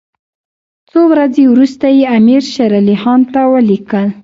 څو ورځې وروسته یې امیر شېر علي خان ته ولیکل.